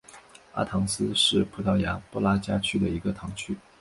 阿唐斯是葡萄牙布拉加区的一个堂区。